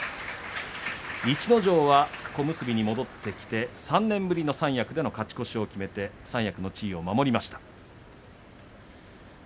逸ノ城は小結に戻ってきて３年ぶりの三役での勝ち越しを決めて三役の地位を守りました。